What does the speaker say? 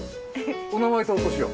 お名前とお年を。